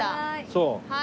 そう。